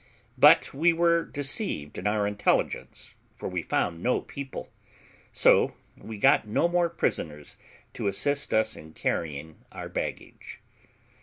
But we were deceived in our intelligence, for we found no people; so we got no more prisoners to assist us in carrying our baggage.